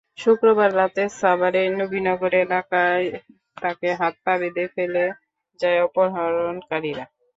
শুক্রবার রাতে সাভারের নবীনগর এলাকায় তাঁকে হাত-পা বেঁধে ফেলে যায় অপহরণকারীরা।